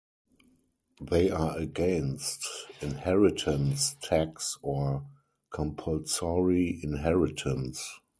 They are against inheritance tax or compulsory inheritance.